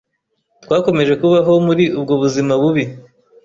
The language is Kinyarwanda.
twakomeje kubaho muri ubwo buzima bubi